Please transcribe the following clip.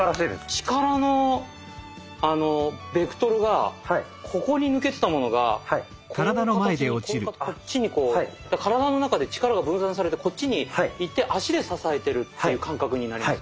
力のベクトルがここに抜けてたものがこう形にこっちにこう体の中で力が分散されてこっちにいって脚で支えてるっていう感覚になります。